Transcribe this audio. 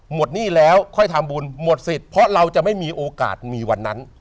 หนี้แล้วค่อยทำบุญหมดสิทธิ์เพราะเราจะไม่มีโอกาสมีวันนั้น